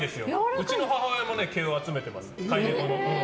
うちの母親も毛を集めてます。